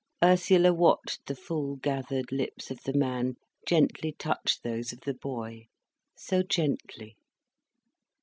Ursula watched the full, gathered lips of the man gently touch those of the boy, so gently.